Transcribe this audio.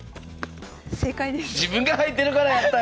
正解です。